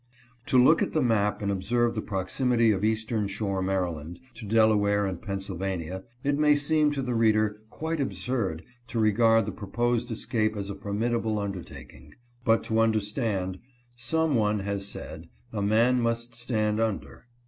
To look at the map and observe the proximity of East ern shore, Maryland, to Delaware and Pennsylvania, it may seem to the reader quite absurd to regard the pro posed escape as a formidable undertaking. But to under STUDYING GEOGRAPHY. 199 stand, some one has said, a man must stand under.